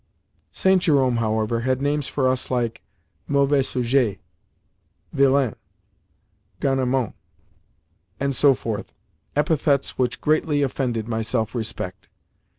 St. Jerome, however, had names for us like "mauvais sujet," "villain," "garnement," and so forth—epithets which greatly offended my self respect.